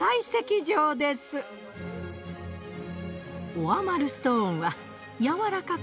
オアマルストーンは軟らかく